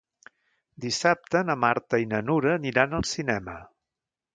Dissabte na Marta i na Nura aniran al cinema.